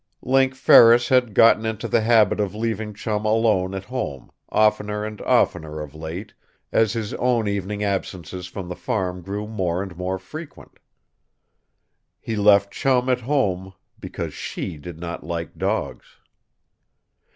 Link Ferris had gotten into the habit of leaving Chum alone at home, oftener and oftener of late, as his own evening absences from the farm grew more and more frequent. He left Chum at home because She did not like dogs.